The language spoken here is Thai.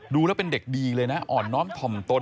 ดูแล้วเป็นเด็กดีเลยนะอ่อนน้อมถ่อมตน